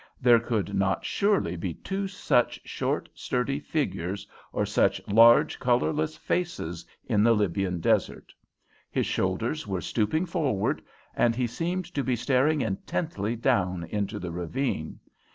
There could not surely be two such short, sturdy figures or such large, colourless faces in the Libyan desert. His shoulders were stooping forward, and he seemed to be staring intently down into the ravine.